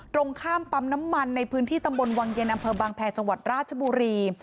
ตรงข้ามปั๊มน้ำมันในพื้นที่ตำบลวังเย็นอำเภอบางแพรจังหวัดราชบุรี